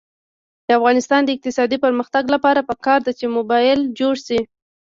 د افغانستان د اقتصادي پرمختګ لپاره پکار ده چې موبلایل جوړ شي.